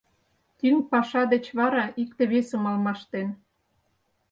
Тӱҥ паша деч вара, икте-весым алмаштен.